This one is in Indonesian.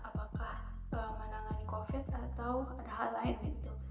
apakah menangani covid atau ada hal lain gitu